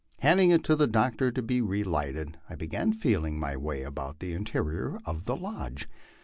Hand ing it out to the doctor to be relighted, I began feeling my way about the in terior of the lodge.